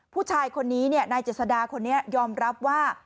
ผู้ชายคนนี้นายเจษดาคนนี้ยอมรับว่า